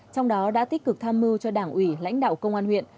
trong đó đã tích cực tham mưu cho đảng ủy lãnh đạo công an huyện